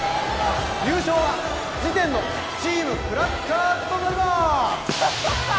・優勝は次点のチームクラッカーズとなります